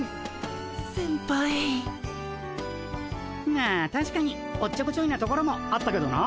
まあたしかにおっちょこちょいなところもあったけどな。